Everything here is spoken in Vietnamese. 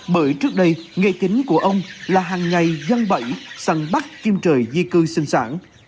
bởi trước đây nghề chính của ông là hàng ngày gian bẫy săn bắt chim trời di cư sinh sản